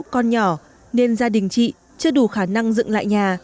con nhỏ nên gia đình chị chưa đủ khả năng dựng lại nhà